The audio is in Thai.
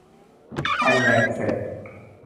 ปั่นแล็บเสร็จ